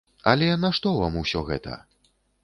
Але нашто вам усё гэта?